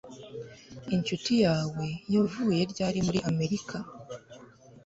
Inshuti yawe yavuye ryari muri Amerika